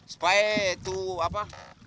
supaya itu apa